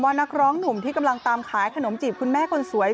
นักร้องหนุ่มที่กำลังตามขายขนมจีบคุณแม่คนสวย